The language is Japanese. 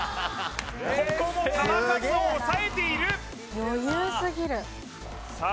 ここも球数を抑えているさあ